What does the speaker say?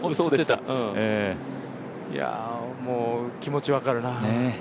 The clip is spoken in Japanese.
もう気持ち分かるな。